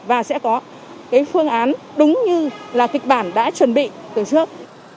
và sẽ có cái phương án đúng như là kịch bản đã chuẩn bị từ trước